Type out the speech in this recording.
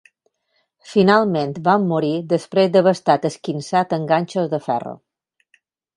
Finalment van morir després d'haver estat esquinçat amb ganxos de ferro.